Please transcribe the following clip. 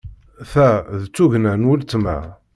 Ta d tugna n weltma.